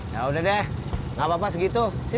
yaudah deh gak apa apa segitu sini